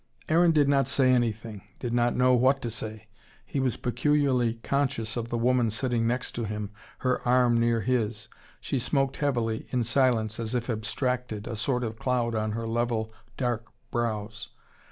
Aaron did not say anything did not know what to say. He was peculiarly conscious of the woman sitting next to him, her arm near his. She smoked heavily, in silence, as if abstracted, a sort of cloud on her level, dark brows.